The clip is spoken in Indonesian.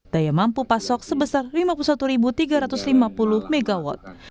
daya mampu pasok sebesar lima puluh satu tiga ratus lima puluh mw